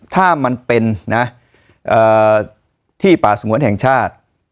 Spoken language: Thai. ถ้ามันเป็นนะที่ป่าสงวนแห่งชาติ